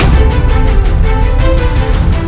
kau sudah bisa latang